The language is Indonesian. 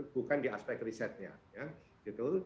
bukan di aspek risetnya gitu